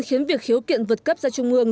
khiến việc khiếu kiện vượt cấp ra trung ương